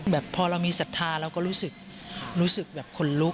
แบบเพราะเรามีสัทธาเราก็รู้สึกรู้สึกแบบคนลุก